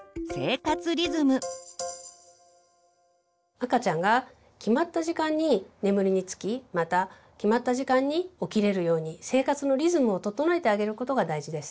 赤ちゃんが決まった時間に眠りにつきまた決まった時間に起きれるように生活のリズムを整えてあげることが大事です。